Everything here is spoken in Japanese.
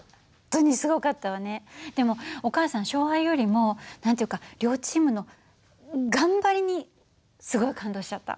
でもお母さん勝敗よりも何て言うか両チームの頑張りにすごい感動しちゃった。